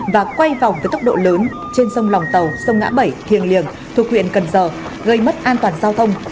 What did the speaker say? và quay vòng với tốc độ lớn trên sông lòng tàu sông ngã bảy thiềng liềng thuộc huyện cần giờ gây mất an toàn giao thông